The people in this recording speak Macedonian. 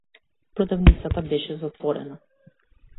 Продавницата беше затворена.